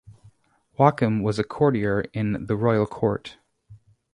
Joachim was a courtier in the royal court.